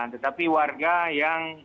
tetapi warga yang